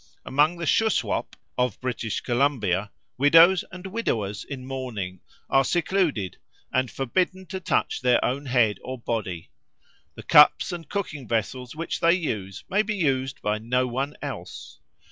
Among the Shuswap of British Columbia widows and widowers in mourning are secluded and forbidden to touch their own head or body; the cups and cooking vessels which they use may be used by no one else.